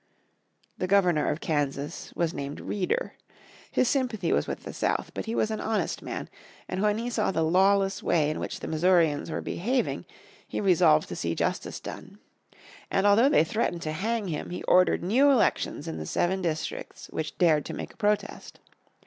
The Governor of Kansas was named Reeder. His sympathy was with the South. But he was an honest man, and when he saw the lawless way in which the Missourians were behaving, he resolved to see justice done. And although they threatened to hang him, he ordered new elections in the seven districts which dared to make a protest.